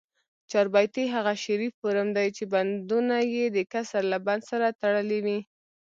چاربیتې هغه شعري فورم دي، چي بندونه ئې دکسر له بند سره تړلي وي.